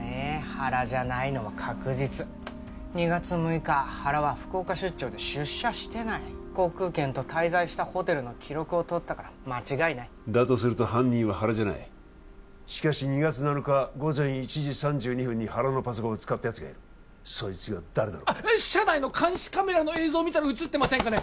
原じゃないのは確実２月６日原は福岡出張で出社してない航空券と滞在したホテルの記録をとったから間違いないだとすると犯人は原じゃないしかし２月７日午前１時３２分に原のパソコンを使ったやつがいるそいつが誰なのか社内の監視カメラの映像を見たらうつってませんかね？